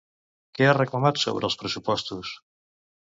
Què ha reclamat sobre els pressupostos?